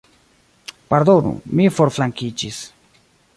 Pardonu, mi forflankiĝis.